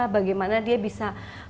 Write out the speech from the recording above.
bagaimana dia bisa